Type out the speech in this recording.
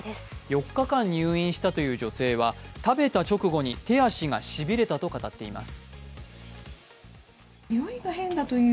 ４日間入院したという女性は食べた直後に手足がしびれたと語っています。